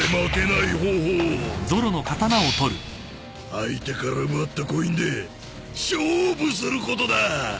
相手から奪ったコインで勝負することだ！